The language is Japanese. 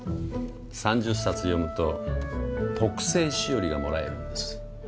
３０冊読むと特製しおりがもらえるんです。